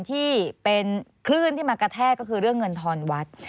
ที่เป็นคลื่นที่มากระแทกก็คือเรื่องเงินทอนวัด